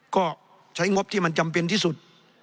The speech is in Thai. ก็ใช้งบที่มันจำเป็นที่สุด